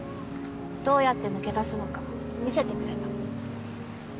どうやって抜け出すのか見せてくれた。